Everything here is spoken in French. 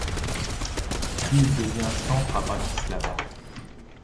Puis il devient chantre à Bratislava.